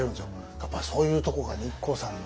やっぱそういうとこがねＩＫＫＯさんの。